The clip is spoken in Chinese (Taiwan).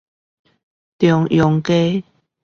中央街